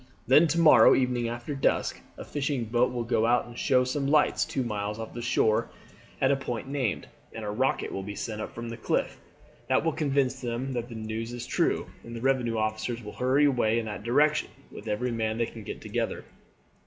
Then to morrow evening after dusk a fishing boat will go out and show some lights two miles off shore at the point named, and a rocket will be sent up from the cliff. That will convince them that the news is true, and the revenue officers will hurry away in that direction with every man they can get together.